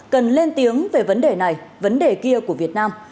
cần lên tiếng về vấn đề này vấn đề kia của việt nam